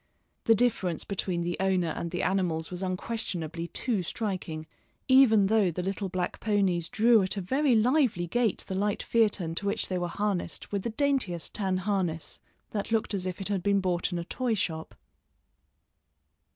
The difference between the owner and the animals was unquestionably too striking, even though the little black ponies drew at a very lively gait the light phaeton to which they were harnessed with the daintiest tan harness, that looked as if it had been bought in a toy shop.